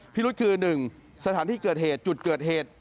พิรุษคือ๑สถานที่เกิดเหตุจุดเกิดเหตุ